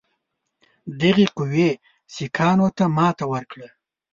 دغې قوې سیکهانو ته ماته ورکړه.